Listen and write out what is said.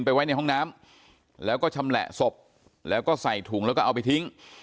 ไว้ในห้องน้ำแล้วก็ชำแหละศพแล้วก็ใส่ถุงแล้วก็เอาไปทิ้ง